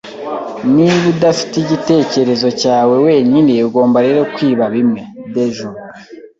Niba udafite igitekerezo cyawe wenyine ugomba rero kwiba bimwe. (Dejo)